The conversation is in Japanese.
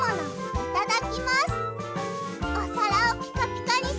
いただきます。